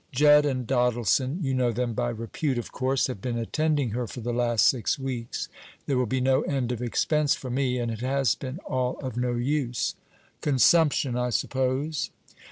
"Jedd and Doddleson you know them by repute, of course have been attending her for the last six weeks. There will be no end of expense for me; and it has been all of no use." "Consumption, I suppose?"